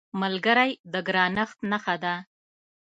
ملګری د ګرانښت نښه ده